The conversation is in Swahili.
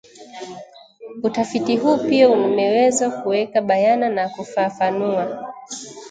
Utafiti huu pia umeweza kuweka bayana na kufafanua